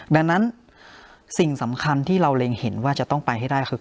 ดังนั้นสิ่งสำคัญที่เราเล็งเห็นว่าจะต้องไปให้ได้คือ